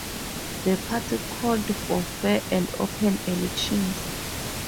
The party called for fair and open elections.